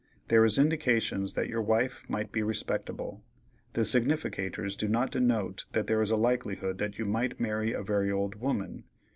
There is indications that your wife might be respectable. The significators do not denote that there is a likelihood that you might marry a very old woman.